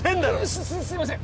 すすすいません